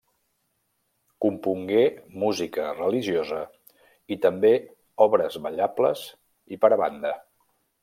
Compongué música religiosa, i també obres ballables i per a banda.